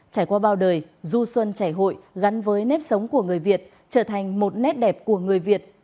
trải qua bao đời du xuân chảy hội gắn với nếp sống của người việt trở thành một nét đẹp của người việt